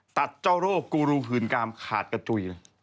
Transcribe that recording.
ตัดเจ้าโรคกูรูฮืนกามขาดกระจุย